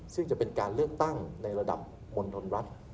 ซึ่งจะเป็นการเลือกตั้งในระดับมณฑลรัฐ